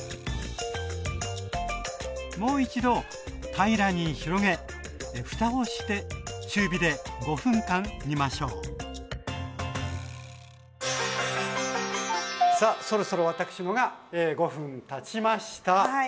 もう一度平らに広げふたをして中火で５分間煮ましょうさあそろそろ私のが５分たちました。